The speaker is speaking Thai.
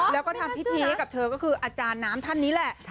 แล้วก็ทำพิธีให้กับเธอก็คืออาจารย์น้ำท่านนี้แหละ